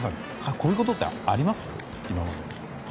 こういうことってあります？